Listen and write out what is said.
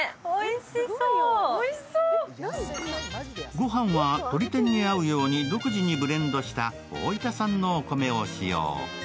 ご飯はとり天に合うように独自にブレンドした大分産のお米を使用。